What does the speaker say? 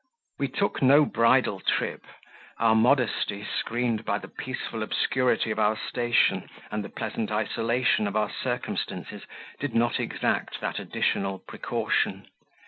We took no bridal trip; our modesty, screened by the peaceful obscurity of our station, and the pleasant isolation of our circumstances, did not exact that additional precaution.